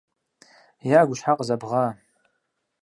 - Ягу щхьэ къызэбгъа?